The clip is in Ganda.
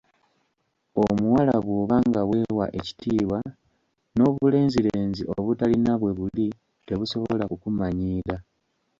Omuwala bw'oba nga weewa ekitiibwa, n'obulenzirenzi obutalina bwe buli tebusola kukumanyiira.